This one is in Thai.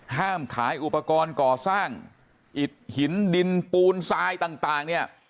ห้ามขายอุปกรณ์ก่อสร้างอิดหินดินปูนทรายต่างเนี่ย